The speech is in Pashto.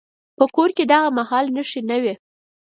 په کور کې د هغه مهال نښې نه وې.